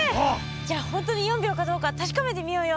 じゃあ本当に４秒かどうか確かめてみようよ。